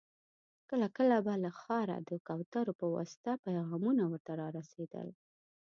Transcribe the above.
کله کله به له ښاره د کوترو په واسطه پيغامونه ور ته را رسېدل.